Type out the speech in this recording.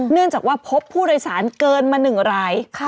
เนื่องจากว่าพบผู้โดยสารเกินมา๑ราย